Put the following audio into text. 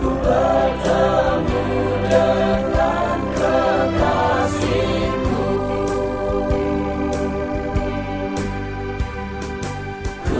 ku bertemu dengan kekasihku